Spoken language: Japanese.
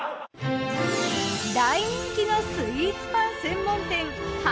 大人気のスイーツパン専門店八